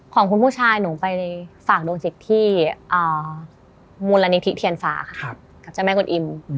ของคุณผู้ชายหนูไปฝากดวงจิตที่มูลนิธิเทียนฟ้าค่ะกับเจ้าแม่กวนอิ่ม